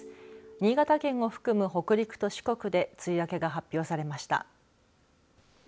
新潟県を含む北陸と四国で梅雨明けが発表されました。